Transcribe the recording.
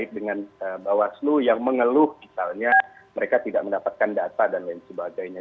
dengan bawaslu yang mengeluh misalnya mereka tidak mendapatkan data dan lain sebagainya